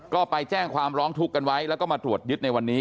ก็ไปแจ้งความร้องทุกข์กันไว้แล้วก็มาตรวจยึดในวันนี้